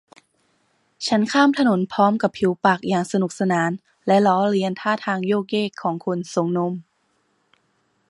ฉันข้ามถนนพร้อมกับผิวปากอย่างสนุกสานและล้อเลียนท่าทางโยกเยกของคนส่งนม